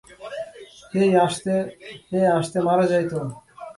হেই, আসতে মারা যায় তো।